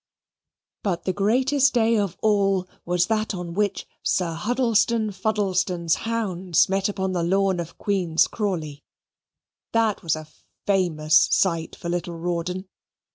But the greatest day of all was that on which Sir Huddlestone Fuddlestone's hounds met upon the lawn at Queen's Crawley. That was a famous sight for little Rawdon.